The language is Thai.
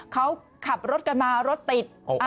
เขาขับรถกันมารถติด